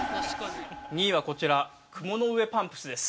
◆２位はこちら、雲の上パンプスです。